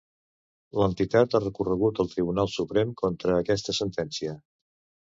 L'entitat ha recorregut al tribunal suprem contra aquesta sentència.